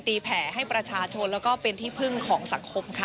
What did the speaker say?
แผลให้ประชาชนแล้วก็เป็นที่พึ่งของสังคมค่ะ